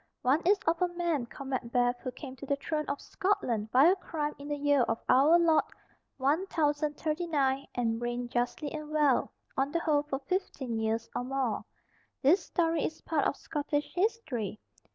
One is of a man called Macbeth who came to the throne of Scotland by a crime in the year of our Lord 1039, and reigned justly and well, on the whole, for fifteen years or more. This story is part of Scottish history.